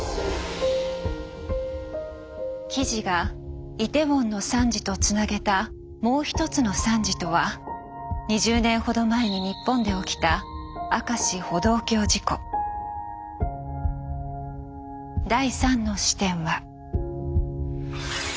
記事がイテウォンの惨事とつなげたもう一つの惨事とは２０年ほど前に日本で起きた第３の視点は。